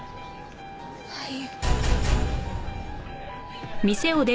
はい。